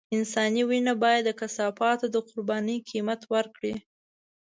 انساني وينه بايد د کثافاتو د قربانۍ قيمت ورکړي.